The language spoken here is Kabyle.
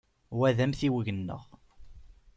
Wa d amtiweg-nneɣ.